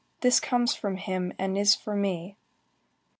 This comes from him, and is for me!"